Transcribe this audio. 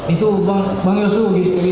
itu bang yosua begini